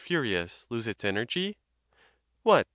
furious, lose its energy? What!